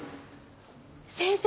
先生